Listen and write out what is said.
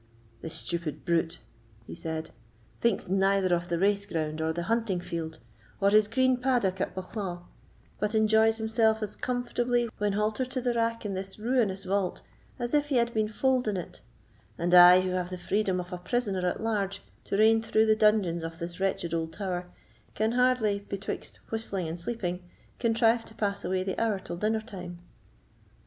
"The stupid brute," he said, "thinks neither of the race ground or the hunting field, or his green paddock at Bucklaw, but enjoys himself as comfortably when haltered to the rack in this ruinous vault, as if he had been foaled in it; and, I who have the freedom of a prisoner at large, to range through the dungeons of this wretched old tower, can hardly, betwixt whistling and sleeping, contrive to pass away the hour till dinner time."